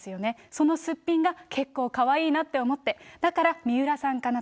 そのすっぴんが結構かわいいなって思って、だから水卜さんかな。